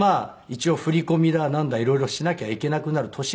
一応振り込みだなんだいろいろしなきゃいけなくなる年になるじゃないですか。